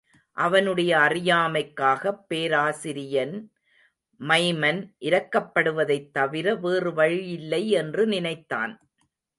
அவனுடைய அறியாமைக்காகப் பேராசிரியன் மைமன் இரக்கப்படுவதைத் தவிர வேறு வழியில்லை என்று நினைத்தான்.